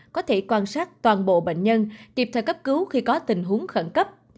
có thể quan sát toàn bộ bệnh nhân kịp thời cấp cứu khi có tình huống khẩn cấp